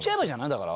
だから。